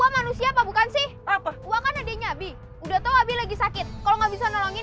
manusia apa bukan sih apa apa kan adiknya bi udah tahu lagi sakit kalau nggak bisa nolongin